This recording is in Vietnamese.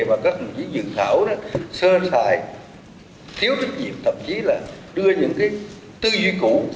mà các dự thảo sơ sài thiếu kinh nghiệm thậm chí là đưa những tư duyệt cũ